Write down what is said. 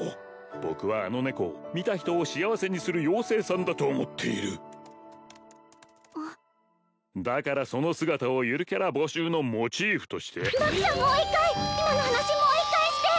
僕はあの猫を見た人を幸せにする妖精さんだと思っているあっだからその姿をゆるキャラ募集のモチーフとしてバクさんもう一回今の話もう一回して！